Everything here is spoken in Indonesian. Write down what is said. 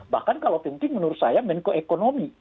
bahkan kalau penting menurut saya menkoekonomi